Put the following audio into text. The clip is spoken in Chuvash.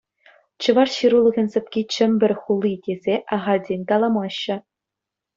Чӑваш ҫырулӑхӗн сӑпки Чӗмпӗр хули тесе ахальтен каламаҫҫӗ.